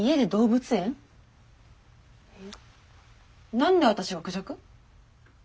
何で私がクジャク？